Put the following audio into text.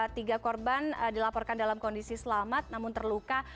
tiga korban dilaporkan dalam kondisi selamat namun terluka